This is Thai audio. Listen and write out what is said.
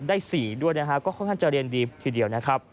ได้๔ด้วยนะฮะก็ค่อนข้างจะเรียนดีทีเดียวนะครับ